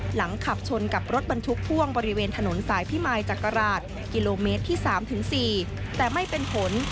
หลังขับชนกับรถบรรทุกพ่วงบริเวณถนนสายพิมายจักราชกิโลเมตรที่๓๔แต่ไม่เป็นผล